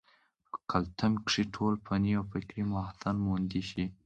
پۀ کلتم کښې ټول فني او فکري محاسن موندے شي